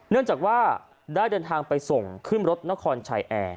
เนื่องจากว่าได้เดินทางไปส่งขึ้นรถนครชายแอร์